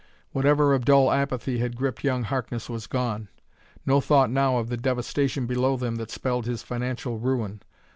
Whatever of dull apathy had gripped young Harkness was gone. No thought now of the devastation below them that spelled his financial ruin.